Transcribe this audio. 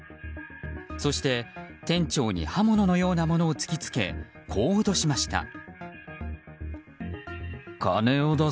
そして、店長に刃物のようなものを突き付けこう脅しました。